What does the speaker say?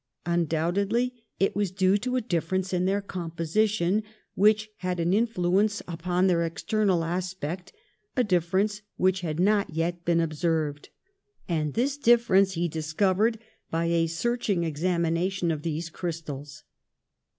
Undoubtedly it was due to a difference in their composition which had an influence upon their external aspect, a difference which had not yet been observed. And this difference he discovered by a searching examination of these crystals.